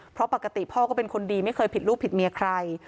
เพราะปกติพ่อก็เป็นคนดีไม่เคยผิดลูกผิดเมียใคร